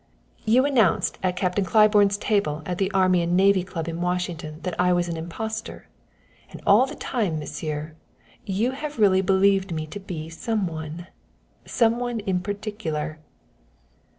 You announced at Captain Claiborne's table at the Army and Navy Club in Washington that I was an impostor, and all the time, Monsieur, you have really believed me to be some one some one in particular."